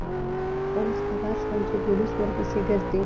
اوس خبر شوم چې پولیس ورپسې گرځي.